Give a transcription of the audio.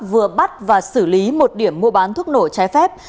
vừa bắt và xử lý một điểm mua bán thuốc nổ trái phép